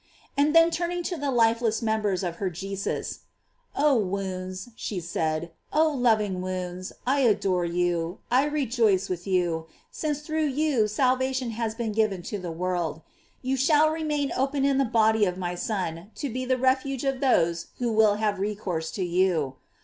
And then turning to the lifeless members of her Jesus: Oh wounds, she said, oh loving wounds, I adore you, I rejoice with you, since through you salvation has been given to GLORIES OF MARY. the world. You shall remain open in the body of my Son, to be the refuge of those who will have recourse to you.